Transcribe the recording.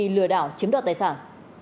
hành vi lừa đảo chiếm đoạt tài sản